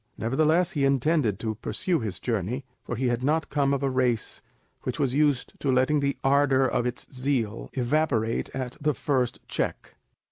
Nevertheless he intended to pursue his journey, for he did not come of a race which was used to let the ardour of its zeal evaporate at the first check.